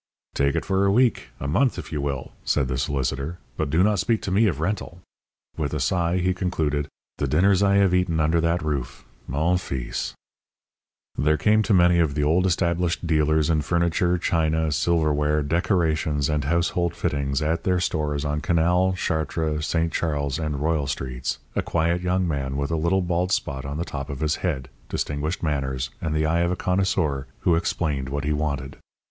"Take it for a week a month, if you will," said the solicitor; "but do not speak to me of rental." With a sigh he concluded: "The dinners I have eaten under that roof, mon fils!" There came to many of the old, established dealers in furniture, china, silverware, decorations and household fittings at their stores on Canal, Chartres, St. Charles, and Royal Streets, a quiet young man with a little bald spot on the top of his head, distinguished manners, and the eye of a connoisseur, who explained what he wanted.